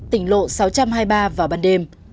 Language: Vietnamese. tỉnh lộ sáu trăm hai mươi ba vào ban đêm